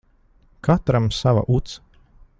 Katram sava uts.